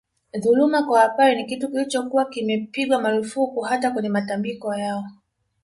Dhuluma kwa Wapare ni kitu kilichokuwa kimepigwa marufuku hata kwenye matambiko yao